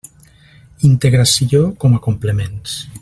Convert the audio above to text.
Integració com a complements.